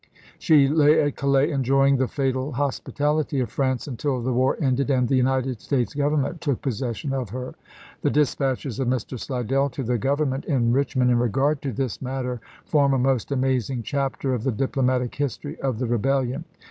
She lay at Calais chap. vi. enjoying the fatal hospitality of France until the war ended and the United States Government took possession of her. The dispatches of Mr. Slid ell to the Government in Richmond, in regard to this matter, form a most amazing chapter of the diplo matic history of the Rebellion.